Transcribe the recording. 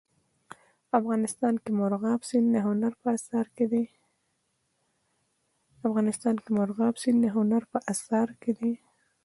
افغانستان کې مورغاب سیند د هنر په اثار کې دی.